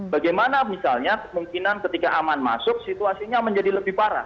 bagaimana misalnya kemungkinan ketika aman masuk situasinya menjadi lebih parah